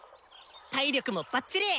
体力もバッチリ！